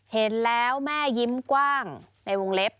เห็นแล้วแม่ยิ้มกว้างในวงเล็บ